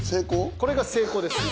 これが成功です。